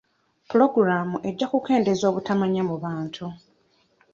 Puloogulaamu ejja kukendeeza obutamanya mu bantu.